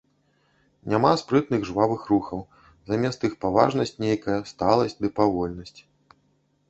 Няма спрытных жвавых рухаў, замест іх паважнасць нейкая, сталасць ды павольнасць.